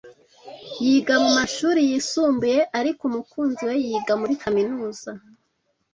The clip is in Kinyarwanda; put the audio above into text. Yiga mumashuri yisumbuye, ariko umukunzi we yiga muri kaminuza.